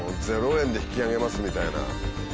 ０円で引きあげますみたいな。